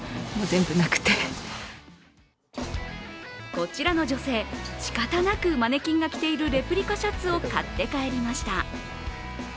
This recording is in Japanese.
こちらの女性、仕方なくマネキンが着ているレプリカシャツを買って帰りました。